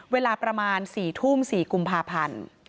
เวลาประมาณ๔ทุ่ม๔กุมภาพันธ์